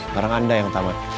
barang anda yang tamat